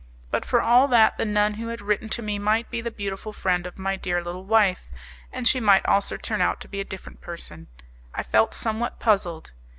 But, for all that, the nun who had written to me might be the beautiful friend of my dear little wife, and she might also turn out to be a different person; I felt somewhat puzzled.